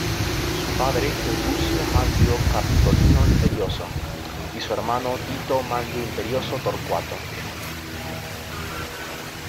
Su padre fue Lucio Manlio Capitolino Imperioso y su hermano Tito Manlio Imperioso Torcuato.